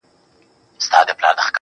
• هغه به څرنګه بلا وویني.